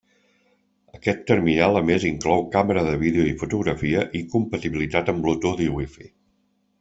Aquest terminal a més inclou càmera de vídeo i fotografia i compatibilitat amb Bluetooth i Wifi.